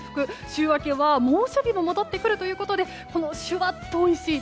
週明けは猛暑日も戻ってくるということでこのシュワッとおいしい